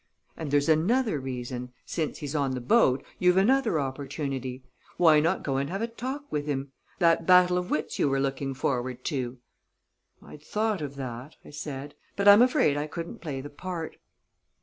And there's another reason since he's on the boat, you've another opportunity why not go and have a talk with him that battle of wits you were looking forward to?" "I'd thought of that," I said; "but I'm afraid I couldn't play the part."